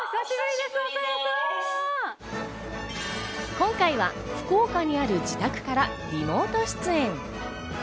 今回は福岡にある自宅からリモート出演。